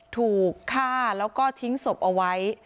ถูกฆ่าแล้วก็ทิ้งศพเอาไว้